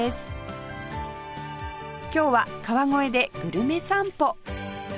今日は川越でグルメ散歩